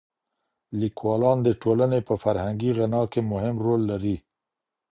ليکوالان د ټولني په فرهنګي غنا کي مهم رول لري.